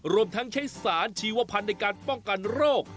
รวมทั้งใช้สารชีวพันธ์ในการป้องกันโรค